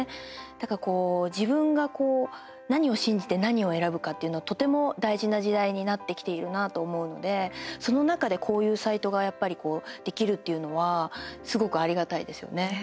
だから、自分が何を信じて何を選ぶかっていうのがとても大事な時代になってきているなと思うのでその中で、こういうサイトがやっぱり、できるっていうのはすごくありがたいですよね。